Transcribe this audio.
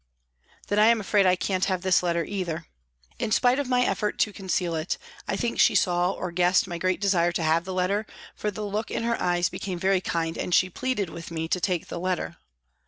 " Then I am afraid I can't have this letter either." In spite of my effort to conceal it, I think she saw or guessed my great desire to have the letter, for the look in her eyes became very kind and she pleaded with me to take the letter.